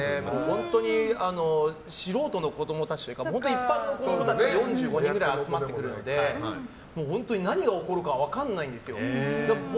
本当に素人の子供たちというか一般の子供たちが４５人くらい集まってくれるので本当に何が起こるか分からないんですよ。